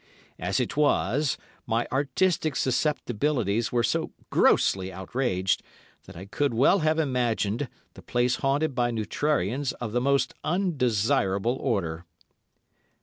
As it was, my artistic susceptibilities were so grossly outraged, that I could well have imagined, the place haunted by neutrarians of the most undesirable order.